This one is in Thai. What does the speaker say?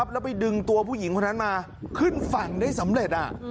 แล้วไปดึงตัวผู้หญิงคนนั้นมาขึ้นฝั่งได้สำเร็จ